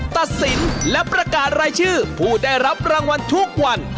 ตัดสินและประกาศรายชื่อผู้ได้รับรางวัลทุกวัน